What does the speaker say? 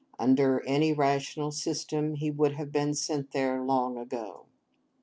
Under any rational system, he would have been sent there long ago.